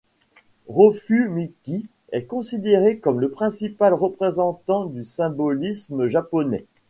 Rofū Miki est considéré comme le principal représentant du symbolisme japonais.